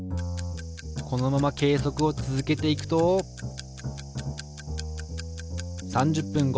このまま計測を続けていくと３０分後。